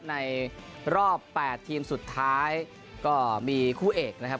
ในรอบ๘ทีมสุดท้ายก็มีคู่เอกนะครับ